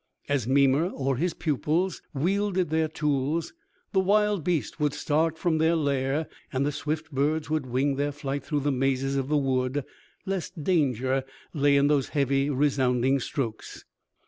As Mimer or his pupils wielded their tools the wild beasts would start from their lair, and the swift birds would wing their flight through the mazes of the wood, lest danger lay in those heavy, resounding strokes.